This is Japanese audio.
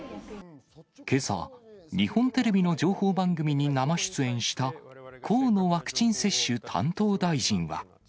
けさ、日本テレビの情報番組に生出演した、河野ワクチン接種担当大臣は。